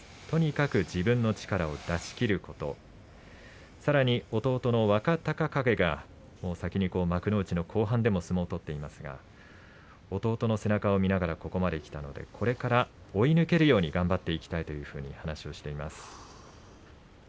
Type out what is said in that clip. とにかく自分の力を出し切ることさらに弟の若隆景が先に幕内の後半でも相撲を取っていますが弟の背中を見ながらここまできたのでこれから追い抜けるように頑張っていきたいというふうに話をしていました。